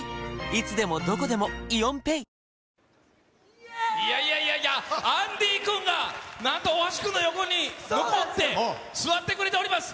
ちゃえ日産いやいやいや、アンディー君が、なんと大橋君の横に残って座ってくれております。